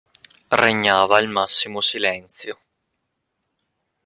Regnava il massimo silenzio.